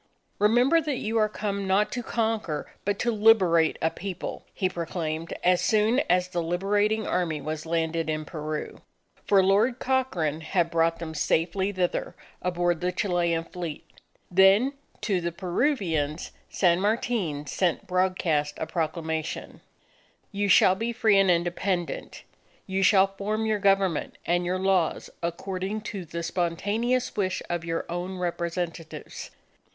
"Remember that you are come not to conquer but to liberate a People!" he proclaimed as soon as the Liberating Army was landed in Peru. For Lord Cochrane had brought them safely thither aboard the Chilean fleet. Then to the Peruvians, San Martin sent broadcast a proclamation: _You shall be free and independent. You shall form your government and your laws according to the spontaneous wish of your own representatives.